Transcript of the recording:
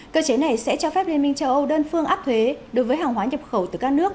cơ chế này sẽ cho phép liên minh châu âu đơn phương áp thuế đối với hàng hóa nhập khẩu từ các nước